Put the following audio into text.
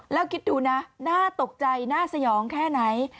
แล้วคิดดูนะน่าตกใจน่าสยองแค่ไหน